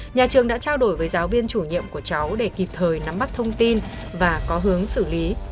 nhà trường đã trao đổi với giáo viên chủ nhiệm của cháu để kịp thời nắm bắt thông tin và có hướng xử lý